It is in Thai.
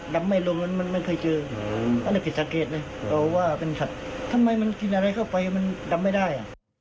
ทำไมมันกินอะไรเข้าไปมันดำไม่ได้